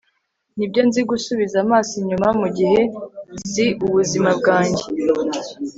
nibyo, nzi gusubiza amaso inyuma mugihe, nzi ubuzima bwanjye